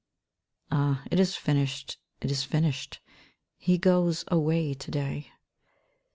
Ah, it is finished, it is finished. He goes away tO'day.